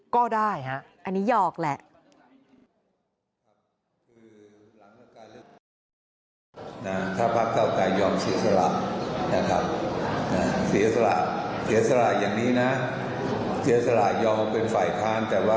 ก็ได้ฮะอันนี้หยอกแหละ